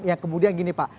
ya kemudian gini pak